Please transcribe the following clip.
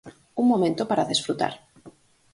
Un momento para desfrutar.